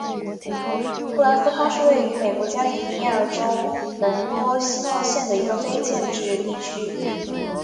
布兰斯康是位于美国加利福尼亚州门多西诺县的一个非建制地区。